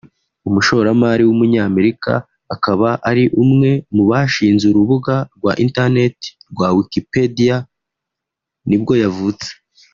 umushoramari w’umunyamerika akaba ari umwe mu bashinze urubuga rwa internet rwa Wikipedia nibwo yavutse